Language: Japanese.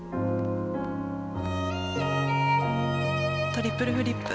トリプルフリップ。